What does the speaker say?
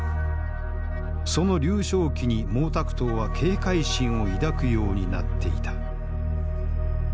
その劉少奇に毛沢東は警戒心を抱くようになっていた。